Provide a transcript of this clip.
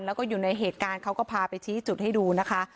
แล้วก็อยู่ในเหตุการณ์เขาก็พาไปชี้จุดให้ดูนะคะ